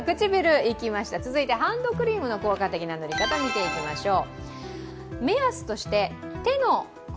続いてハンドクリームの効果的な塗り方見ていきましょう。